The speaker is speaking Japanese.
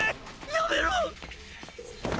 やめろ！